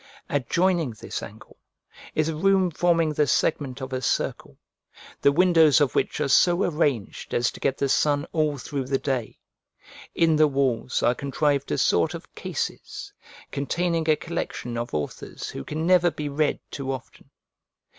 Adjoining this angle is a room forming the segment of a circle, the windows of which are so arranged as to get the sun all through the day: in the walls are contrived a sort of cases, containing a collection of authors who can never be read too often.